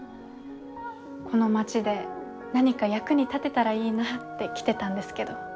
この町で何か役に立てたらいいなって来てたんですけど。